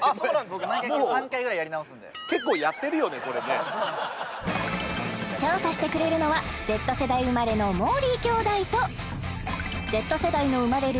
僕３回ぐらいやり直すんで調査してくれるのはＺ世代生まれのもーりー兄弟とＺ世代の生まれる